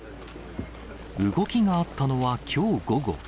動きがあったのは、きょう午後。